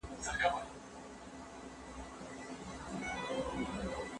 ايا ته پوهيږې چي د يتيم مال خوړل لویه ګناه ده؟